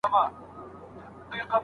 هغه څېړونکی چي بصیرت نلري شننه نسي کولی.